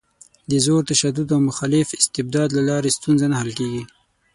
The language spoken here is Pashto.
د زور، تشدد او مخالف استبداد له لارې ستونزه نه حل کېږي.